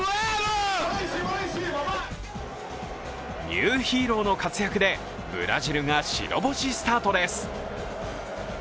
ニューヒーローの活躍でブラジルが白星スタートです。